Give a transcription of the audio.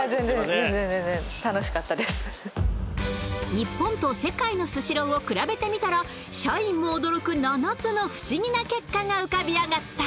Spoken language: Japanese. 日本と世界のスシローを比べてみたら、社員も驚く７つの不思議な結果が浮かび上がった。